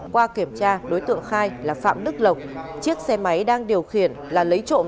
qua kiểm tra đối tượng khai là phạm đức lộc chiếc xe máy đang điều khiển là lấy trộm